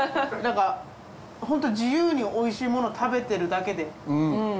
何かホント自由においしいもの食べてるだけで。